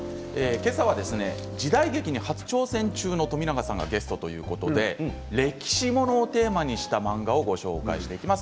今朝は時代劇に初挑戦中の冨永さんがゲストということで歴史物をテーマにした漫画をご紹介していきます。